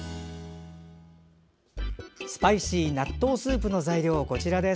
スパイシー納豆スープの材料は、こちらです。